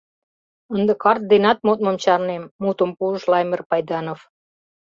Ынде карт денат модмым чарнем, — мутым пуыш Лаймыр Пайданов.